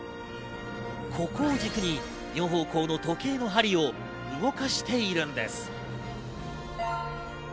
ここを軸に４方向の時計の針を動かしているんです。